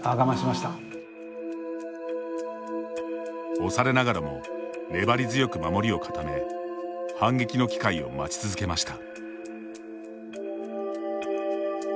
押されながらも粘り強く守りを固め反撃の機会を待ち続けました。